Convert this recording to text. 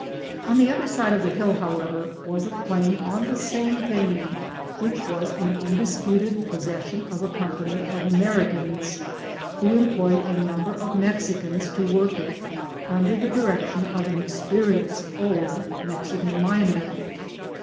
On the other side of the hill, however, was a claim on the same vein, which was in undisputed possession of a company of Americans, who employed a number of Mexicans to work it, under the direction of an ex perienced old Mexican miner.